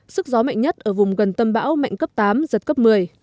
sức gió mạnh nhất ở vùng gần tâm bão mạnh cấp tám giật cấp một mươi